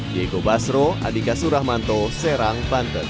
diego basro andika suramanto serang banten